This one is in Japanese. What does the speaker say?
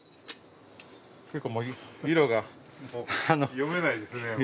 色が、読めないですね。